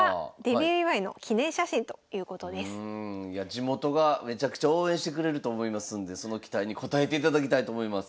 地元がめちゃくちゃ応援してくれると思いますんでその期待に応えていただきたいと思います。